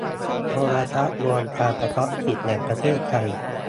โทรทัศน์รวมการเฉพาะกิจแห่งประเทศไทย